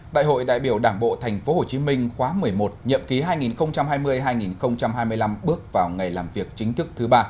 đại hội đại biểu đảng bộ tp hcm khóa một mươi một nhậm ký hai nghìn hai mươi hai nghìn hai mươi năm bước vào ngày làm việc chính thức thứ ba